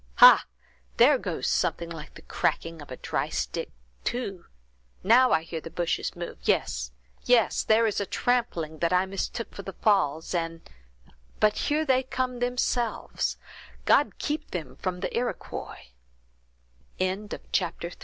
Ha! there goes something like the cracking of a dry stick, too—now I hear the bushes move—yes, yes, there is a trampling that I mistook for the falls—and—but here they come themselves; God keep them from the I